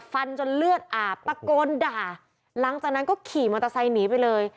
ฟันจนเลือดอาบตะโกนด่าหลังจากนั้นก็ขี่มอเตอร์ไซค์หนีไปเลย